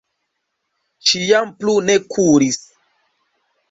Ŝi jam plu ne kuris.